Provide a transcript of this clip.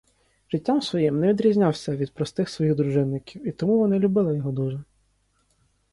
Життям своїм не відрізнявся від простих своїх дружинників, і тому вони любили його дуже.